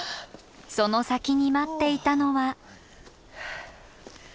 その先に待っていたのは。